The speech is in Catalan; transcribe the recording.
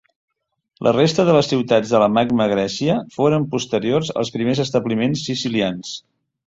La resta de les ciutats de la Magna Grècia foren posteriors als primers establiments sicilians.